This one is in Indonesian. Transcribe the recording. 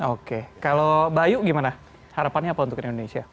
oke kalau bayu gimana harapannya apa untuk indonesia